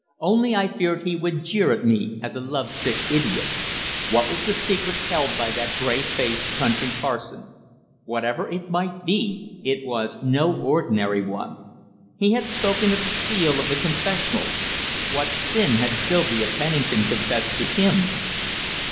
Only I feared he would jeer at me as a love sick idiot. What was the secret held by that grey faced country parson? Whatever it might be, it was no ordinary one. He had spoken of the seal of The Confessional. What sin had Sylvia Pennington confessed to him?